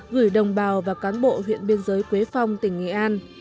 gửi đồng bào và cán bộ huyện biên giới quế phong tỉnh nghệ an